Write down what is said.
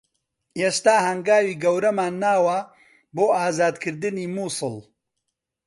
ئێستا هەنگاوی گەورەمان ناوە بۆ ئازادکردنی موسڵ